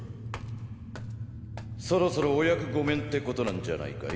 そろそろお役御免って事なんじゃないかい？